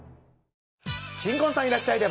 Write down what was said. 新婚さんいらっしゃい！